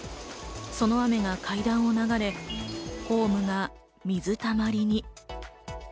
その雨が階段を流れ、ホームが水たまりに。